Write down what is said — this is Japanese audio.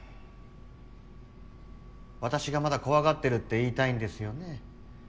私がまだ怖がってるって言いたいんですよね。